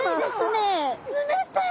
冷たい。